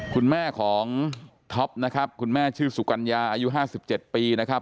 คุณแม่ของท็อปนะครับคุณแม่ชื่อสุกัญญาอายุ๕๗ปีนะครับ